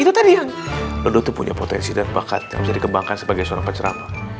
itu tadi yang ledo itu punya potensi dan bakat yang bisa dikembangkan sebagai seorang pencerama